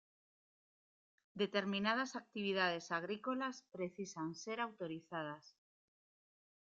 Determinadas actividades agrícolas precisan ser autorizadas.